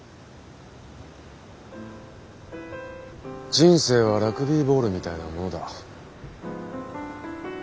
人生はラグビーボールみたいなものだ。